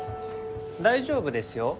大丈夫ですよ。